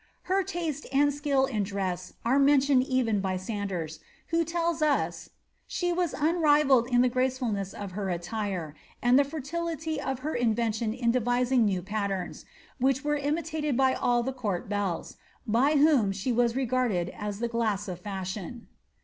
Her taste and skill in dress are men* tioned even by Sanders, who tells us ^ she was unrivalled in the grace fulness ol her attire, and the fertility of her invention in devising new patterns, which were imitated by all the court belles, by whom she was regarded as the gUas of fashion.'